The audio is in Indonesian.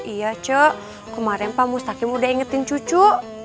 iya cu kemarin pak mustaqim udah ingetin cucu